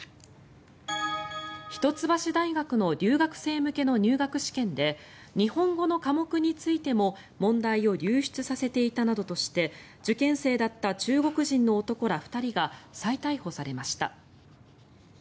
一橋大学の留学生向けの入学試験で日本語の科目についても問題を流出させていたなどとして受験生だった中国人の男ら２人が再逮捕されました。